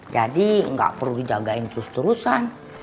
jadi nggak perlu dijagain terus terusan